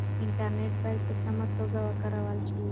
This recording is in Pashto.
انټرنټ بايد په سمه توګه وکارول شي.